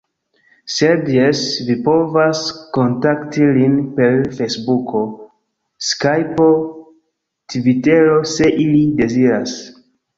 Sed, jes vi povas kontakti lin per fejsbuko, skajpo, tvitero se ili deziras.